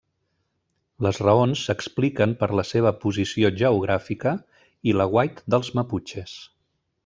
Les raons s'expliquen per la seva posició geogràfica i l'aguait dels maputxes.